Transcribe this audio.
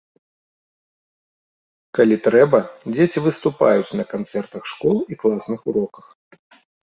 Калі трэба, дзеці выступаюць на канцэртах школы і класных уроках.